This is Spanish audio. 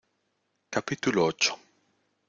capítulo ocho.